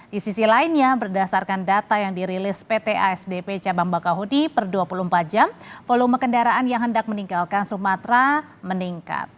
di sisi lainnya berdasarkan data yang dirilis pt asdp cabang bakahudi per dua puluh empat jam volume kendaraan yang hendak meninggalkan sumatera meningkat